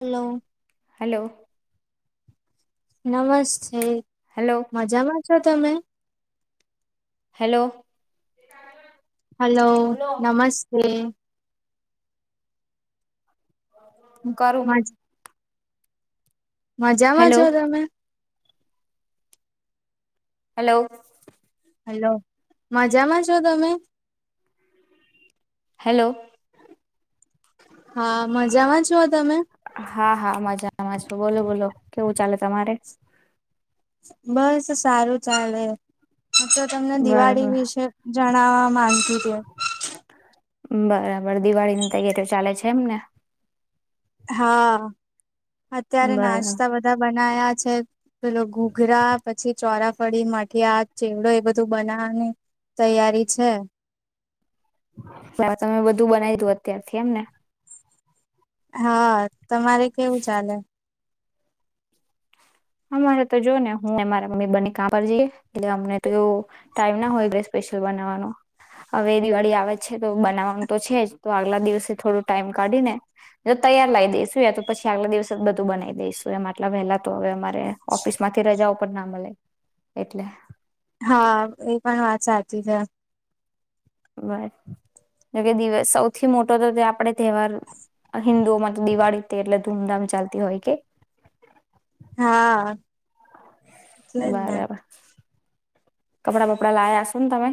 Hello.. hello.. નમસ્તે.. hello મજામાં છો તમે.. હેલો.. હલો નમસ્તે. કરું હજ. મજામાં હેલો છો તમે. હલો. હેલો મજામાં છો તમે. હેલો. હા મજામાં જ તમે. હા હા મજામાં છ બોલો બોલો કેવું ચાલે તમારે. બસ સારું ચાલે. તો તમને દિવાળી બરાબર વિશે જણાવવા. ગતી રહ્યા. બરાબર દિવાળીની તૈયારીઓ ચાલે છે એમને. હા. અત્યારે નાસ્તા બરાબર બધા બના્યા. છે. પેલો ઘૂઘરા પછી ચોરા. મગફળી માઠ આ ચેવડો એ બધું બનાવાની તૈયારી છે. તમે બધું બનાવી દું અત્યારથી એમને. હા. તમારે કેવું ચાલે. અમારે તો જો ને હું અમારા મમ્મી બને કા પર જઈએ એટલે અમને તો એ ટાઈમ ના હોય ગ સ્પેશિયલ બનાવવાનો હવે દિવાળી આવે છે તો બનાવાનું તો છે જ તો આગલા દિવસે થોડો ટાઈમ કાઢી ને જો તૈયાર લાવ દઈશું તો પછી આગલા દિવસે જ બધું બનાવી દઈશું એમ આટલા પહેલા તો હવે અમા. ઓફિસમાંથી રજાઓ પણ ના મળે એટલે. હા એ પણ વાત સાચ. જ. બસ જોકે દ સૌથી મોટો તો તે આપડ તહેવાર હિન્દુઓમાં તો દિવાળી તે એટલે ધૂમધામ ચાલતી હોય કે. હા. એટલે જ ને બરાબર. કપડા બપડા લાવયા છો ને તમે.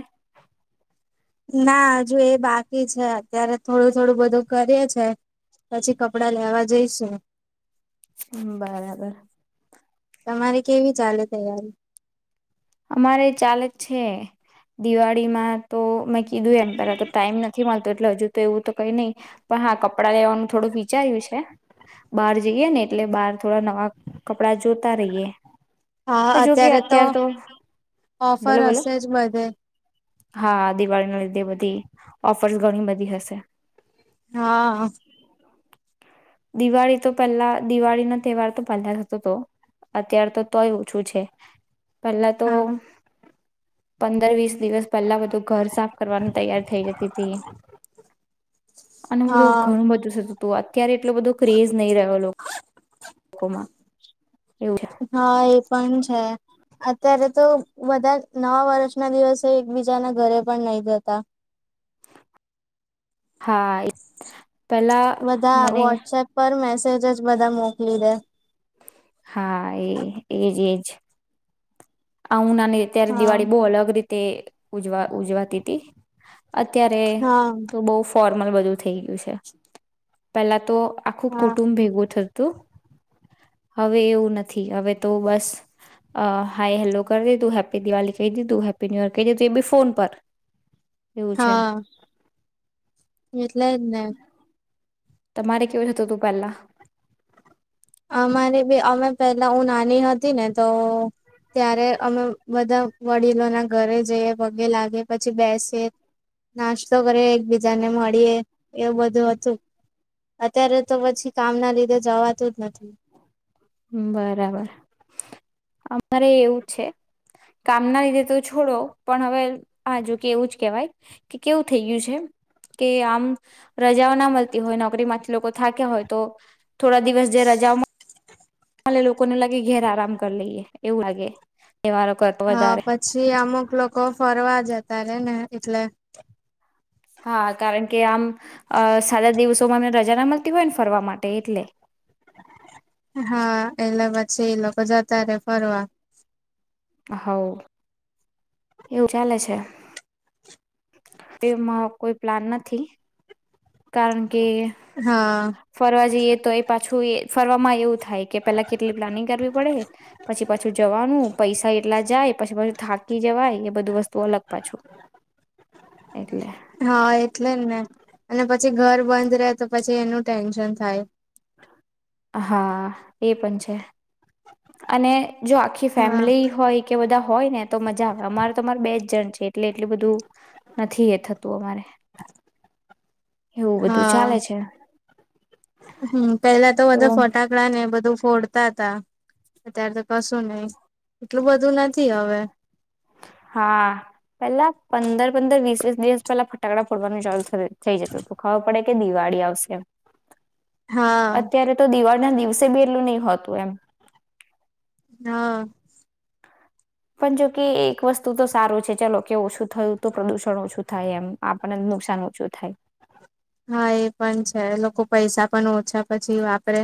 ના હજુ એ બાકી છે અત્યારે થોડું થોડું બધું કરીએ છે પછી કપડા લેવા જઈશ. બરાબર. તમારી કેવી ચાલે તૈયારી? અમારે ચાલે જ છે, દિવાળીમાં તો મેં કીધું એમ પેલા તો ટાઈમ નથી મળતો, એટલે હજુ તો એવું તો કઈ નહી, પણ હા, કપડાં લેવાનું થોડું વિચાર્યું છે. બહાર જઈએ ને એટલે બહાર થોડા નવા કપડા જોતા રહીએ. હા, પણ જોકે અત્યારે તો. અત્યાર ઓફર બોલો બોલો હસે જ બધે. હા, દિવાળીના લીધે બધી ઓફર્સ ઘણીબધી હસે. હા. દિવાળી તો પહેલા, દિવાળીનો તહેવાર તો પહેલા થતો હતો અત્યાર તો તોય ઓછું છે. પહેલા તો હા. પંદર વીસ દિવસ પેલ્લા બધું ઘર સાફ કરવાનું તૈયાર થઈ જતીતી, અને બધું હા ઘણું બધું થતું. તો અત ત્યારે એટલો બધો ક્રેઝ નહી રહ્યો લો, કોમાં એવું છે એ પણ છે. અત્યારે તો બધા નવા વરશના દિવસે એકબીજાના ઘરે પણ નહી જતા, હા, એ પેલા મને, સેજ જ બધા મોકલી દે. હા, એ, એજ એજ. આવું નાન- એ ત્યારે હા દિવાળી બહુ અલગ રીતની તે ઉજવા ઉજવાતીતી, અત્યારે હા તો બહુ ફર ધમલ, બધું થઈ ગયું છે. પેલા તો, આખું હા કુટુંબ ભેગું થતું હવે એવું નથી, હવે તો બસ અ. હાઈ હેલો કરી દીઘું, હેપી દિવાલી કેય દીઘું, હેપી ન્યુયર [unintelligible] તેબી ફોન પર. એવું છે હા, એટલે જ ને! તમારે કેવું થતું તું પેલ્લા? અમારે બી, અમે પેલા, હું નાની હતી ને તો, ત્યારે અમે બધા વડીલોના ઘરે જઈએ, પગે લાગે પછી બેસીએ, નાશ્તો કરીએ, એકબીજાને મળીએ એવું બધું હતું. અત્યારે તો પછી કામ ના લીધે જવાતું નથી. બરાબર અમારે એવું જ છે. કામના લીધે તો છોડો, પણ હવે હા જોકે એવું જ કેહેવાય, કે કેવું થઈ ગયું છે કે આમ રજાઓ ના મલતી હોય, નોકરીમાંથી લોકો થાક્યા હોય તો. થોડા દિવસ જે રજાઓમાં મલે, લોકોને લાગે, ઘેર આરામ કરી લઈએ, એવું લાગે. તહેવારો કરતા હા વધારે પછી અમુક લોકો ફરવા જતા રે ને એટલે હા, કારણ કે આમ અ સાદા દિવસોમાં એમને રજાને મલતી હોય ને ફરવા માટે એટલે. હા, એલે પછી એ લોકો જતા રે ફરવા. હો, એવું ચાલે છે તેમાંઓ કોઈ પ્લાન નથી. કારણ. કે હા ફરવા જઈએ તો એ પાછું એ - ફરવામાં એવું થાય. કે પેલા કેટલી પ્લાનિંગ કરવી પડે પછી. પાછું જવાનું પૈસા એટલા જાય પછી પછી થાકી જવાય એ બધું વસ્તુ અલગ પાછું એટલે. હા એટલે ને અને પછી ઘર બંધ રહે તો પછી એનું ટેન્શન થાય હા એ પણ છે. અને જો આખી હા ફેમિલી હોય કે બધા હોય ને તો મજા આવે અમારે તો અરે બે જ જણ છે. કેટલે એટલી બધું. નથી એ થતું અમારે. એવું બધું હા ચાલે છે હમ પેલા તો બધા ફટાકડા ને બધું ફોડ. ત અત્યારે તો કશું નહ એટલું બધું. બું નથી હવે. હા પેલા પંદર પંદર વીસ વીસ દિવસ પેલા ફટાકડા ફોડવાનું ચાલસ. થઈ જતો તો ખવાો પડે. કે દિવાળી આવશે. હા અત્યારે તો દિવાળી. ના દિવસે બ એલું નહ હોતું એમ. હા. પણ જોકે એક વસ્તુ તો સારું છે ચલો કેવું શું. થયું તો પ્રદૂષણોછ. થાય એમ આપણને નુકસાન ઓછું થાય. હા એ પણ છે લોકો પૈસા પણ ઓછા પછી વાપરે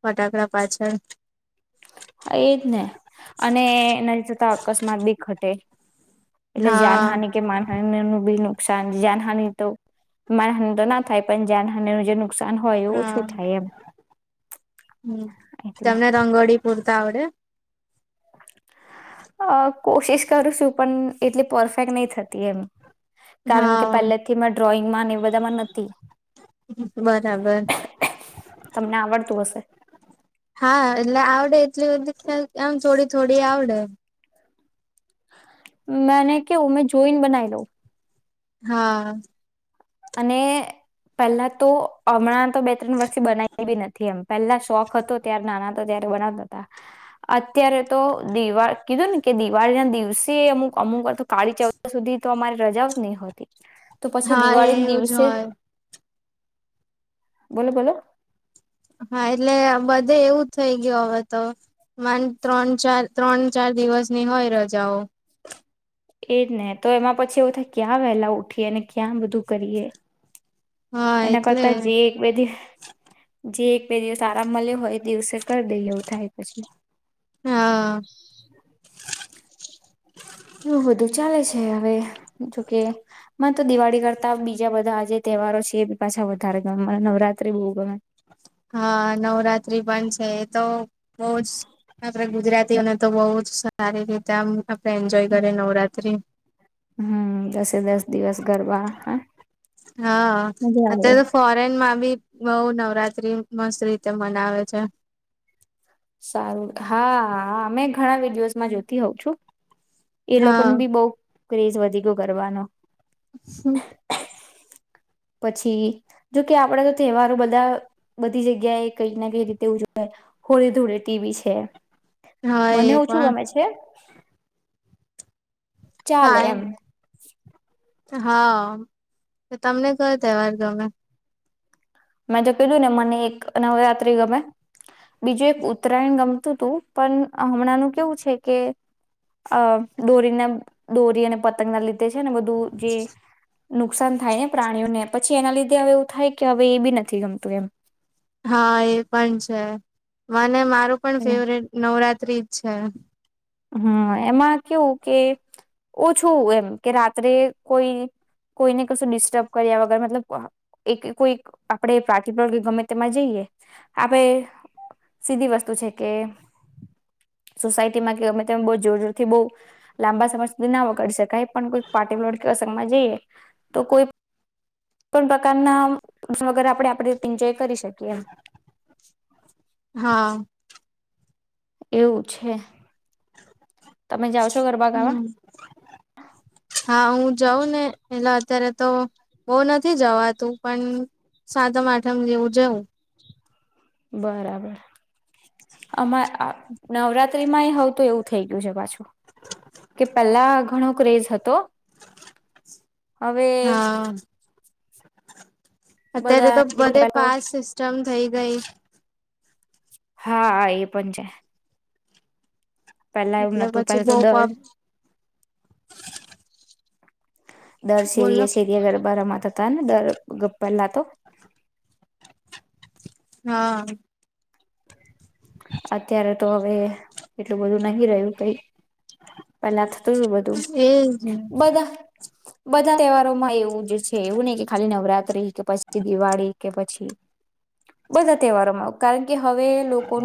ફટાકડા પાછળ. હા એજ ને અને એના થતા અકસ્માત બી ઘટે. એટલે હા જાનહાની કે માનહાની નું બી ન. નુકસાન જાનહાની તો માનહાની તો ના થાય પણ જાનહા ન જે. નુકસાન હોય હા એવુંછું થાય એમ એટલે. ત આવડ. અ કોશિશ કરું છું પણ એટલી પરફેક્ટ નહી થતી એમ. કારણ કે પહેલે હા થી મે ડ્રોઈંગમાં એ બધામાં નથી બરાબર તમને આવડતું હશે. એમ થોડી થોડી આવડે. મેને કું મે જોઈન બનાઈ લઉં. હા. અને પહેલા તો. હમણાં તો બે ત્રણ વર્ષથી બનાવી. બી નથી એમ પહેલા શોખ હતો ત્યારે નાના તો ત્યારે બનાતા હતા અત્યારે તો દિવા કીધું ને કે દિવાળી ના દિવસે અમુક અમુક. કાી ચૌ સુધી. તો અમારી રજાઓ જ નહી હોતી. તો પછી દિવાળી. જર. બોલો બોલો. હા એટલે બધે એવું થઈ ગયું હવે તો માન ત્રણ ચાર ત્રણ ચાર દિવસ ની હોય રજાઓ. એજ ને તો એમાં પછી એવું થાય ક્યાં વહેલા ઉઠીએ અને ક્યાં બધું કરીએ. હા એના એટલે કરતા જે એક બે દિવ જે. બે દિવસ આરામ મળ્યો હોય દિવસે. કરી દઈ એવું થાય પછી. હા એવું બું ચાલે છે હવે જોકે તો દિવાળી કરતા બીજા બધા આ જે તહેવારો છે એ બી પાછા વધારે ગમે મને નવરાત્રી બહુ ગમે. હા નવરાત્રી પણ છે તો બહજ. આપે ગુજરાતીઓ અને. તો બહુ જ સારી રીતે. એન્જોય કરીએ નવરાત્રી હમ દસે દસ દિવસ ગરબા હા. હા મજા આવે. અત્યારે તો ફોરેનમાં. ી બહ નવરાત્રી મસ્ત રીતે મનાવે છે. સારું હા અમે ઘણા વિડીયોસમાં જોતી હોઉં છું. એ હા લોકોને ભી બઉ. ક્રેઝ વધી કરવાનો. હમ. પછી જોકે આપડે તો તહેવારો બધા બધી જગ્યાએ કઈક ના કઈ રીતે ઉજવાય હોળી ધૂળે ટીવીી છે. હા મને એ ઓું શું પણ ગમે છે. ચાલે હા એમ. હા તમને કયો તહેવાર ગમે. મેં તો કીધું ને મને એક નવરાત્રી ગમે બીજું એક ઉત્તરાયણ ગમતું હતું પણ હમણાં ન કેવું છે કે અ દોરીને દોરી અને પતંગના લીધે. ને બધું જે નુકસાન થાય ને પ્રાણીઓને પછી. એના લીધે હવેવ થાય કે. હ એ બી નથી ગમતું એમ. હા એ પણ છે વા. અને મારું પણ એમ ફેવરેટ નવરાત્રી. અચ્છા. હમ એમાં કેવું કે ઓછું એમ કે રાત્રે કોઈ કોઈને કશું ડિસ્ટર્બ કર્યા વગર મતલબ એક કોઈ આપણે પ્રાર્ટ ગમે તેમાં જઈએ આપણે સીધી વસ્તુ છે કે સોસાયટીમાં. અમે બ જોર જોરથી બહ લાંબા સમય સુધી ના વગાડી શકાય પણ કોઈ પાટી લોડ અસંગમાં જઈએ તો કોઈ પણ પ્રકારના વગરે આપ આપંચય કરી શકીએ એમ. હા. એવું છે. તમે જાઓ છો ગરબા ગાવા. હમ હા. હા હું જાઉં ને એેલા અત્યારે. તો બહ નથી જવાતું પણ સાતમ આઠમ જેવું જવું. બરાબર. અમા નવરાત્ર. ત્રી ય હ તો એવું થઈ ગયું છે પાછું કે પેલા ઘણો ક્રેઝ હતો. હવે. હા અત્યારે તો બધે બધા તો પાસ સિસ્ટમ. થઈ ગઈ. હા એ પણ છે. પેલા એવું એટલે નતું પછી પેલા તો બહુ દર. પબ દર શેરી બોલો એ શેરી ગરબા રમવાનું. નેર [unintelligible] પેલા તો હા. અત્યારે તો હવે. એટલું બધું નહી રહ્યું કઈ પેલા થતું શું બધું એજ બધા બધાં તહેવારોમાં એવું જ છે એવું નય કે ખાલી નવરાત્રી કે પછી દિવાળી કે પછી બધા તહેવારોમાં. કાલ. કે હવે લોકો.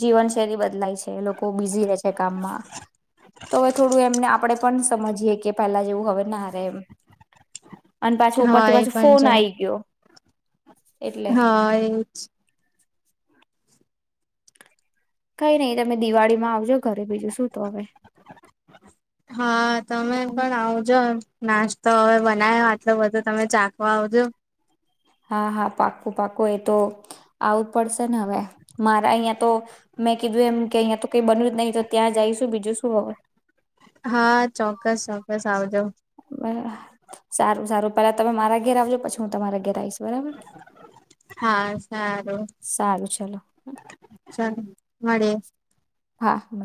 જીવન શૈલી બદલાય છે, લોકો બીઝી રહી છે, કામમાં તો હવે થોડું એમને આપડે પણ સમજીયએ કે પેલા જેવું હવેને હરે એમ અને પાછી હા ઉપરથી એ પાછી પણ ફોન છે આઈ ગયો. એટલે હા એજ કઈ નઈ તમે દિવાળી માં આવજો ઘરે બીજું શું તો હવે. હા તમે પણ આવજો એમ. નાચ તો હવે બનાવ આટલ બધું તમે ચાખવા આવજો. હા હા પાકું પાકું એ તો આવું જ પડશે ને હવે મારે અહિયાં તો મેં કીધું એમ કે અહિયાં તો કઈ બન્યું જ નહી તો ત્યાં જઈશું બીજું શું હવે હા ચો બસ બસ આવજાવ. બ સારું સારું પેલા તમે મારા ઘેર આવજો પછી હું તમારા ઘેરે આવીશ. બરાબર હા સારું સારું ચલો. મળે. હા બ [inaudible]